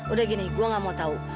udah gini gue gak mau tahu